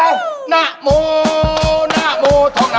ยังไง